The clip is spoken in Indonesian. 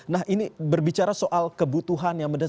nah ini berbicara soal kebutuhan yang mendasar